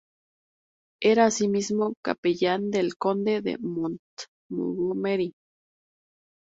Era, así mismo, capellán del conde de Montgomery.